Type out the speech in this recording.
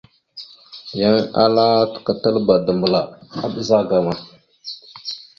Yan ala təkatalba dambəla a ɓəzagaam a.